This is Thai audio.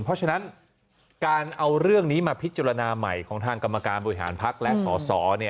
เพราะฉะนั้นการเอาเรื่องนี้มาพิจารณาใหม่ของทางกรรมการบริหารพักและสส